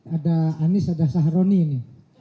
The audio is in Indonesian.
ada anies ada sahroni ini